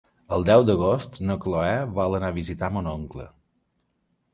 El deu d'agost na Cloè vol anar a visitar mon oncle.